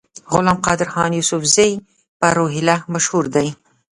غلام قادرخان یوسفزي په روهیله مشهور دی.